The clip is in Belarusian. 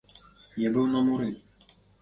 Я быў на муры!